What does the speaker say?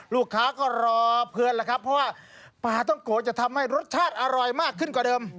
ลูกค้าก็รอเพื่อนแล้วครับเพราะว่าปลาต้องโกะจะทำให้รสชาติอร่อยมากขึ้นกว่าเดิม